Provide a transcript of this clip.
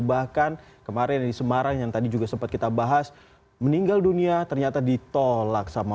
bahkan kemarin di semarang yang tadi juga sempat kita bahas meninggal dunia ternyata ditolak sama